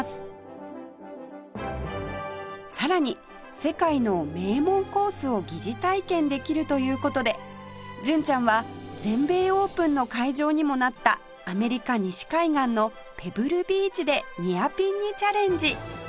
さらに世界の名門コースを疑似体験できるという事で純ちゃんは全米オープンの会場にもなったアメリカ西海岸のペブルビーチでニアピンにチャレンジ